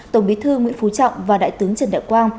tổng bí thư nguyễn phú trọng và đại tướng trần đại quang